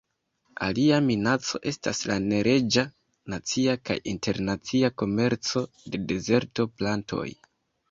Alia minaco estas la neleĝa nacia kaj internacia komerco de dezerto-plantoj.